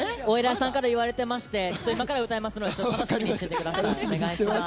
いさんから言われてまして今から歌うので楽しみにしていてください。